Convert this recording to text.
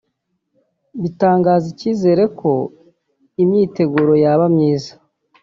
bitanga icyizere ko imyiteguro yaba myiza